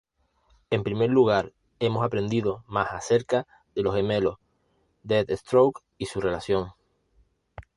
En primer lugar, hemos aprendido más acerca de los gemelos Deathstroke y su relación.